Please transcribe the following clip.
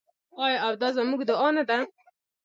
آیا او دا زموږ دعا نه ده؟